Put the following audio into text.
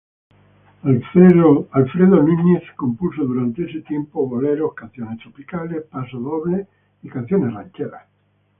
Alfredo Núñez compuso durante ese tiempo boleros, canciones tropicales, pasos dobles, canciones rancheras.